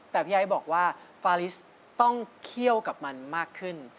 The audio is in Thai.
แต่พี่ไอ้บอกว่าฟาลิสต้องเคี่ยวกับมันมากขึ้น